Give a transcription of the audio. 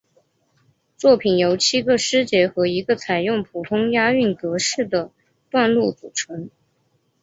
作品由七个诗节和一个采用普通押韵格式的段落组成。